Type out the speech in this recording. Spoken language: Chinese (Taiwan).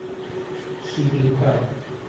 西濱快